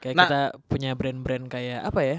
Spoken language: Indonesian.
kayak kita punya brand brand kayak apa ya